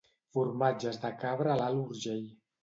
Formatges de cabra a l'Alt Urgell